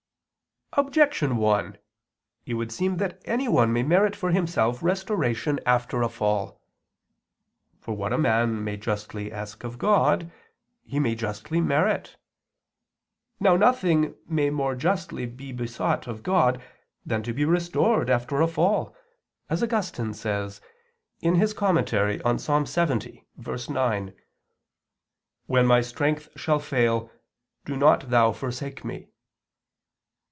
Objection 1: It would seem that anyone may merit for himself restoration after a fall. For what a man may justly ask of God, he may justly merit. Now nothing may more justly be besought of God than to be restored after a fall, as Augustine says [*Cf. Ennar. i super Ps. lxx.], according to Ps. 70:9: "When my strength shall fail, do not Thou forsake me."